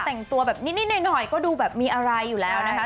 แต่งตัวแบบนิดหน่อยก็ดูแบบมีอะไรอยู่แล้วนะคะ